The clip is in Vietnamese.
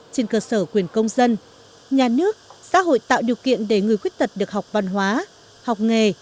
trên cơ sở quyền công dân nhà nước xã hội tạo điều kiện để người khuyết tật được học văn hóa học nghề